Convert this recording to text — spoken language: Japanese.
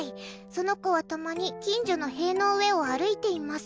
その子はたまに近所の塀の上を歩いています。